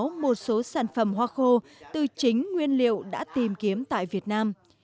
ông đã báo cáo một số sản phẩm hoa khô từ chính nguyên liệu đã tìm kiếm tại việt nam